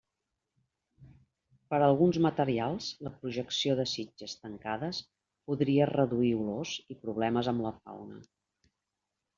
Per alguns materials la projecció de sitges tancades podria reduir olors i problemes amb la fauna.